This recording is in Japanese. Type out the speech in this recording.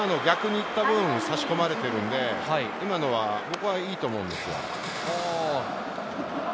今、逆にたぶん差し込まれてるので、今のは僕はいいと思うんですよ。